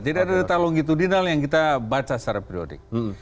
jadi ada data longitudinal yang kita baca secara periodik